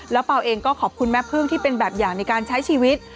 แล้วเปล่าเองก็ขอบคุณแม่พึ่งที่เป็นแบบอย่างในการใช้ชีวิต